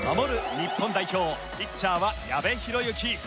日本代表ピッチャーは矢部浩之。